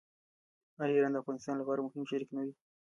آیا ایران د افغانستان لپاره مهم شریک نه دی؟